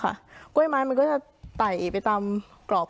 เพราะฉะนั้นทำไมถึงต้องทำภาพจำในโรงเรียนให้เหมือนกัน